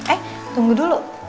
eh tunggu dulu